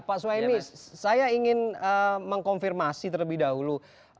pak suhaimi saya ingin mengkonfirmasi terlebih dahulu